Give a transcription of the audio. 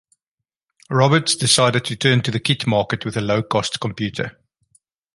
Roberts decided to return to the kit market with a low cost computer.